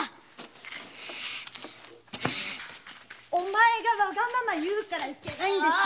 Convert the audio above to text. お前がわがまま言うからいけないんでしょ。